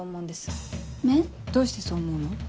どうしてそう思うの？